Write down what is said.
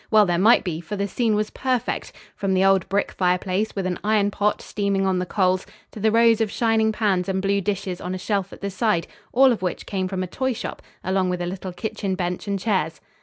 Well there might be, for the scene was perfect, from the old brick fireplace with an iron pot steaming on the coals to the rows of shining pans and blue dishes on a shelf at the side, all of which came from a toy shop, along with a little kitchen bench and chairs.